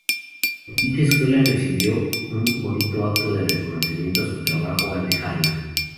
En dicha Escuela recibió un bonito acto de reconocimiento a su trabajo al dejarla.